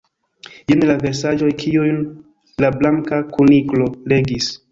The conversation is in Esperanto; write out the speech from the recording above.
Jen la versaĵoj kiujn la Blanka Kuniklo legis.